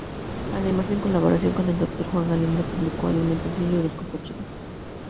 Además en colaboración con el doctor Juan Galindo publicó "Alimentación y horóscopo chino".